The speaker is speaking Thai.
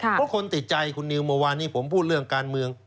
เพราะคนติดใจคุณนิวเมื่อวานนี้ผมพูดเรื่องการเมือง